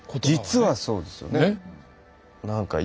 実はそうですよね。